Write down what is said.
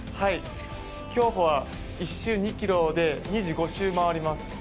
競歩は１周２ｋｍで２５周回ります。